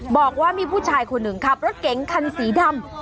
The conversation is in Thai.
บอกว่ามีผู้ชายคนหนึ่งขับรถเก๋งคันสีดำ